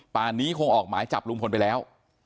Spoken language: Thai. นี้คงออกหมายจับลุงพลไปแล้ว